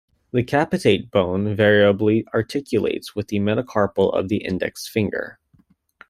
The capitate bone variably articulates with the metacarpal of the index finger.